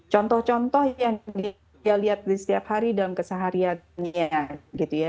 contoh contoh yang dia lihat di setiap hari dalam kesehariannya gitu ya